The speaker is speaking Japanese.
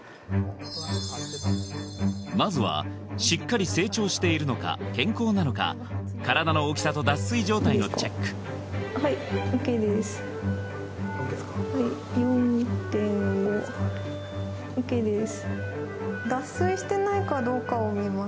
まずはしっかり成長しているのか健康なのか体の大きさと脱水状態のチェックはいＯＫです